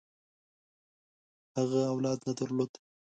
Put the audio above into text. هغه اولاد نه درلود.